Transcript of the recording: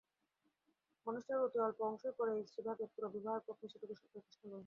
মানুষটার অতি অল্প অংশই পড়ে স্ত্রী ভাগে, পুরো বিবাহের পক্ষে সেটুকু যথেষ্ট নয়।